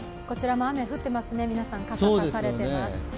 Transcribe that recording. こちらも雨降ってますね、皆さん、傘をさされてます。